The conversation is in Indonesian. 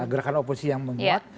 gerakan oposi yang membuat